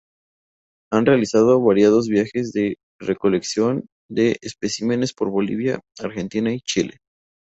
Han realizado variados viajes de recolección de especímenes por Bolivia, Argentina, y Chile